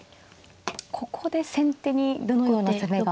ここで先手にどのような攻めがあるのか。